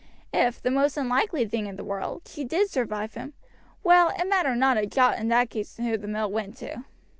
If, the most unlikely thing in the world, she did survive him well, it mattered not a jot in that case who the mill went to.